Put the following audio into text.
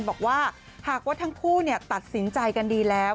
บอกว่าหากว่าทั้งคู่ตัดสินใจกันดีแล้ว